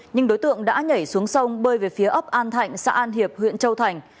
nhưng đối tượng đã nhảy xuống sông bơi về phía ấp an thạnh xã an hiệp huyện châu thành